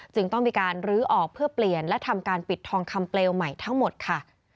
ต้องมีการลื้อออกเพื่อเปลี่ยนและทำการปิดทองคำเปลวใหม่ทั้งหมดค่ะ